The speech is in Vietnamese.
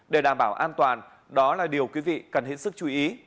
để đảm bảo an toàn đó là điều quý vị cần hết sức chú ý